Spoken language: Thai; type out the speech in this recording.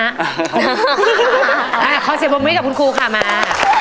อ่าเขาเสียบมื้อกับคุณครูค่ะมา